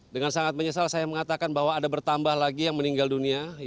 dengan sangat menyesal saya mengatakan bahwa ada bertambah lagi yang meninggal dunia